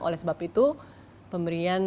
oleh sebab itu pemerintahnya